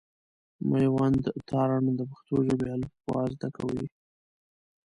مېوند تارڼ د پښتو ژبي الفبا زده کوي.